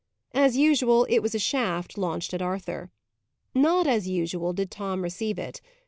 As usual, it was a shaft launched at Arthur. Not as usual did Tom receive it.